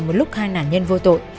một lúc hai nạn nhân vô tội